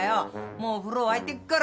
もう風呂沸いてっから。